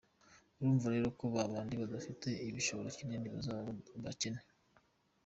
urumva rero ko babandi badafite igishoro kinini bazaba abakene.